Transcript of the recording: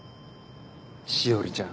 詩織ちゃん。